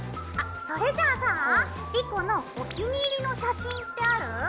あっそれじゃあさ莉子のお気に入りの写真ってある？